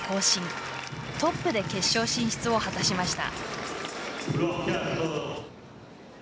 トップで決勝進出を果たしました。